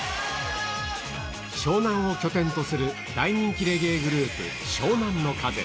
湘南を拠点とする、大人気レゲエグループ、湘南乃風。